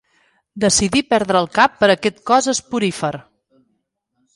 Decidí perdre el cap per aquest cos esporífer.